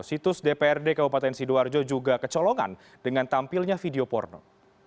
situs dprd kabupaten sidoarjo juga kecolongan dengan tampilnya video porno